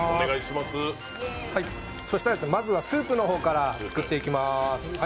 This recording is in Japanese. まずはスープの方から作っていきます。